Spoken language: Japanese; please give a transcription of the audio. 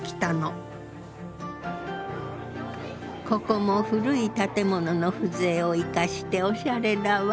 ここも古い建物の風情を生かしてオシャレだわ。